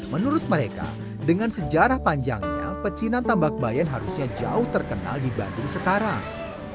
menurut mereka dengan sejarah panjangnya pecinan tambak bayan harusnya jauh terkenal dibanding sekarang